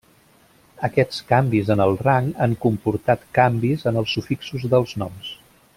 Aquests canvis en el rang han comportat canvis en els sufixos dels noms.